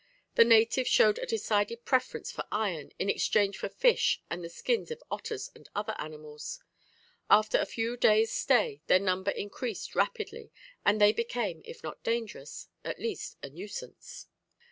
The natives showed a decided preference for iron, in exchange for fish and the skins of otters and other animals. After a few days' stay their number increased rapidly, and they became, if not dangerous, at least a nuisance.